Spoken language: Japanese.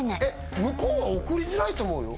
向こうは送りづらいと思うよ